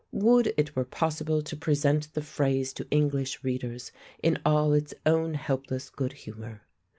Would it were possible to present the phrase to English readers in all its own helpless good humour.